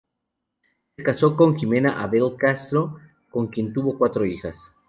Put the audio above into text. Se casó con "Ximena Abell Castro", con quien tuvo cuatro hijas.